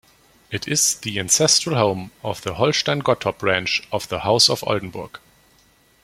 It is the ancestral home of the Holstein-Gottorp branch of the House of Oldenburg.